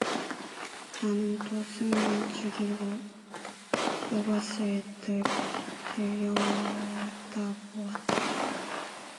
나는 또 숨을 죽이고 그곳을 들여다보았다.